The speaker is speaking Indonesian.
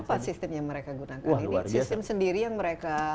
apa sistem yang mereka gunakan ini sistem sendiri yang mereka